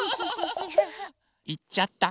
いっちゃった。